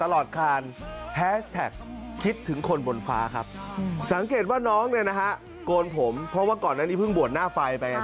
ลูกเนี่ยนะฮะโกนผมเพราะว่าก่อนนั้นนี่เพิ่งบวนหน้าไฟไป